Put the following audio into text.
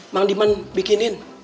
mang diman bikinin